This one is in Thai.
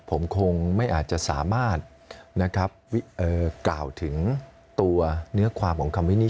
ผมคงไม่อาจจะสามารถกล่าวถึงตัวเนื้อความของคำวินิจ